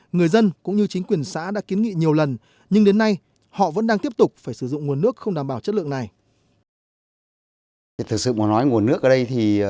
người dân cũng như chính quyền xã đã kiến nghị nhiều lần nhưng đến nay họ vẫn đang tiếp tục phải sử dụng nguồn nước không đảm bảo chất lượng này